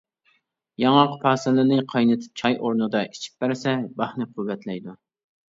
ياڭاق پاسىلىنى قاينىتىپ چاي ئورنىدا ئىچىپ بەرسە، باھنى قۇۋۋەتلەيدۇ.